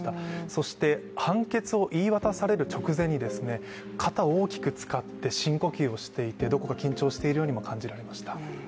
そして判決を言い渡される直前に肩を大きく使って深呼吸をしていて、どこか緊張しているようにも感じられました。